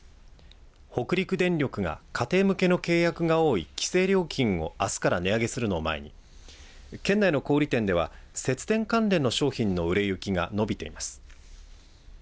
北陸電力が家庭向けの契約が多い規制料金をあすから値上げするのを前に県内の小売店では節電関連の商品の売れ行きが伸びています。